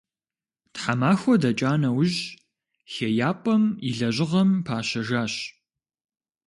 Тхьэмахуэ дэкӏа нэужь хеяпӀэм и лэжьыгъэм пащэжащ.